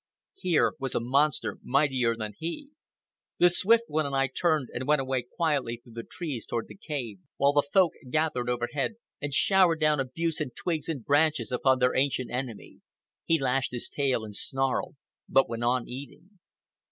Here was a monster mightier than he. The Swift One and I turned and went away quietly through the trees toward the cave, while the Folk gathered overhead and showered down abuse and twigs and branches upon their ancient enemy. He lashed his tail and snarled, but went on eating.